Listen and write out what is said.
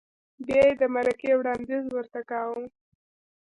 بیا یې د مرکې وړاندیز ورته کاوه؟